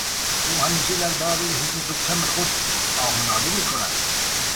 او همیشه دربارهی حقوق کم خود آه و ناله میکند.